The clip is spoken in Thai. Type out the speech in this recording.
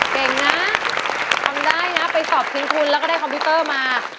เก่งนะทำได้นะไปสอบชิงทุนแล้วก็ได้คอมพิวเตอร์มา